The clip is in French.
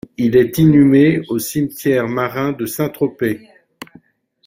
Il est inhumé au cimetière marin de Saint-Tropez.